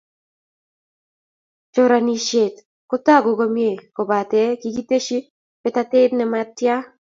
Choranisyet kotogu komie, kobate kikitesyi betatet ne matya.